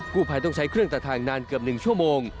ผู้ภัยต้องใช้เครื่องตัดทางนานเกือบ๑ชั่วโมง